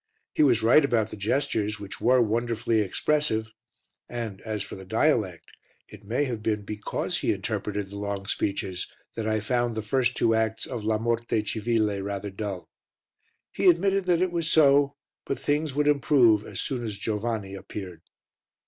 He was right about the gestures which were wonderfully expressive and, as for the dialect, it may have been because he interpreted the long speeches that I found the first two acts of La Morte Civile rather dull. He admitted that it was so, but things would improve as soon as Giovanni appeared.